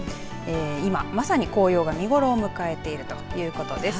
今まさに紅葉が見頃を迎えているということです。